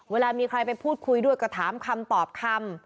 เวลามีใครไปพูดคุยด้วยก็ถามคำตอบคำ